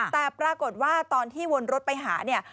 แต่ปรากฏว่าตอนที่วนรถไปหาเนี่ย